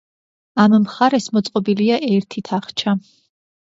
ამ მხარეს მოწყობილია ერთი თახჩა.